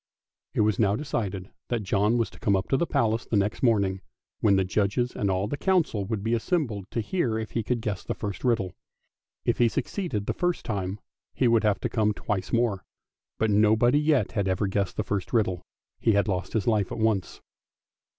It was now decided that John was to come up to the Palace the next morning, when the judges and all the council would be assembled to hear if he could guess the first riddle. If he suc ceeded the first time, he would have to come twice more, but nobody yet had ever guessed the first riddle — he had lost his life at once.